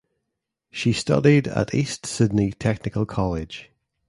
She studied at East Sydney Technical College.